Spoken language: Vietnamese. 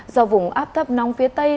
do vùng áp thấp nóng phía tây